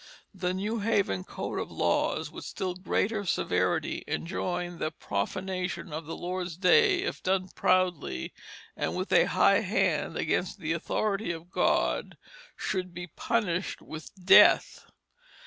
The New Haven Code of Laws with still greater severity enjoined that profanation of the Lord's Day, if done "proudly and with a high hand against the authority of God," should be punished with death.